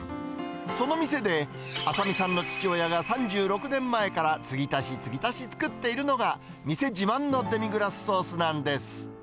その店で浅見さんの父親が３６年前から継ぎ足し継ぎ足し作っているのが、店自慢のデミグラスソースなんです。